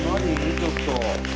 ちょっと。